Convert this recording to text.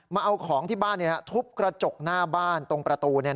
มาเอาของที่บ้านทุบกระจกหน้าบ้านตรงประตู